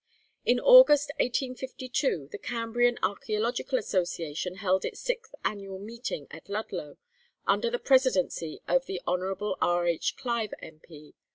In August, 1852, the Cambrian Archæological Association held its sixth annual meeting at Ludlow, under the Presidency of Hon. R. H. Clive, M.P.